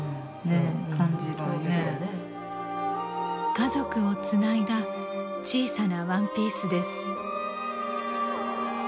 家族をつないだ小さなワンピースです。